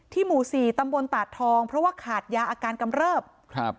หมู่สี่ตำบลตาดทองเพราะว่าขาดยาอาการกำเริบครับ